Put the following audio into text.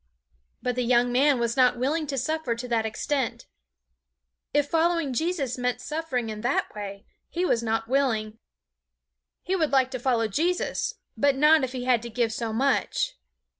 But the young man was not willing to suffer to that extent. If following Jesus meant suffering in that way, he was not willing. He would like to follow Jesus, but not if he had to give so much.